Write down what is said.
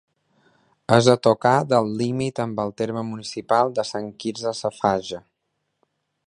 És a tocar del límit amb el terme municipal de Sant Quirze Safaja.